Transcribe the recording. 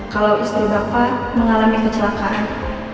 kalau istri bapak mengalami kecelakaan